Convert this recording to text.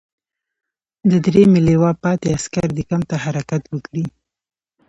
د دریمې لواء پاتې عسکر دې کمپ ته حرکت وکړي.